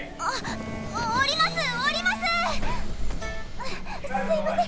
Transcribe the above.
うっすいません。